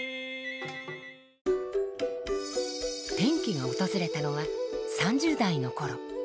転機が訪れたのは３０代の頃。